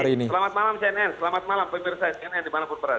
terima kasih selamat malam cnn selamat malam pemirsa cnn dimanapun berhasil